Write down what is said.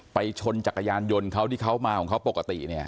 ชนจักรยานยนต์เขาที่เขามาของเขาปกติเนี่ย